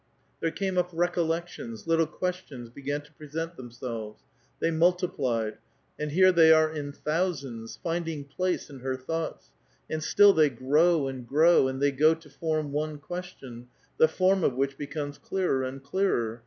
There came up recollections, little ques tions began to present themselves ; they mn1ti[)lied, and here they are in thousands, finding place in her thoughts ; and still they grow and grow, and they go to form one question, the form of which becomes clearer and clearer.